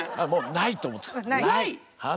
ない。